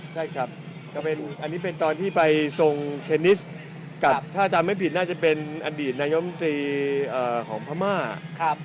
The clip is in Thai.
ใช่ครับก็เป็นอันนี้เป็นตอนที่ไปทรงเทนนิสกับถ้าจำไม่ผิดน่าจะเป็นอดีตนายมตรีของพม่า